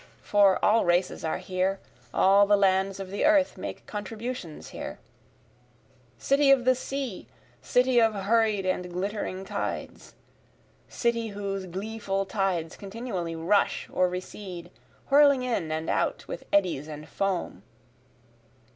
(for all races are here, All the lands of the earth make contributions here;) City of the sea! city of hurried and glittering tides! City whose gleeful tides continually rush or recede, whirling in and out with eddies and foam!